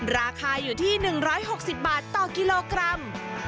ราคาอยู่ที่๑๖๐บาทต่อกิโลกรัม